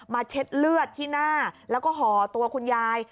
เช็ดเลือดที่หน้าแล้วก็ห่อตัวคุณยาย